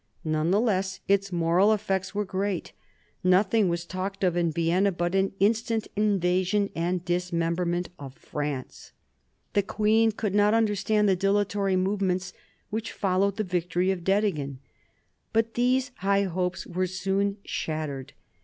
None the less its moral effects were great. Nothing was talked of in Vienna but an instant invasion and dismemberment of France. The queen could not understand the dilatory movements which followed the victory of Dettingen. But these high hopes were soon shattered.